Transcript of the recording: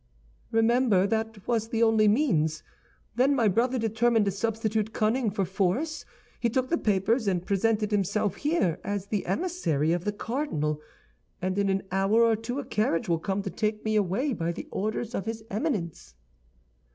"Remember, that was the only means. Then my brother determined to substitute cunning for force. He took the papers, and presented himself here as the emissary of the cardinal, and in an hour or two a carriage will come to take me away by the orders of his Eminence."